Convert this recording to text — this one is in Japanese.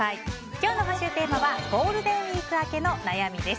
今日の募集テーマはゴールデンウィーク明けの悩みです。